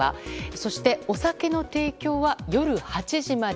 そしてお酒の提供は夜８時まで。